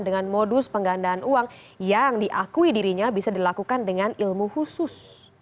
dengan modus penggandaan uang yang diakui dirinya bisa dilakukan dengan ilmu khusus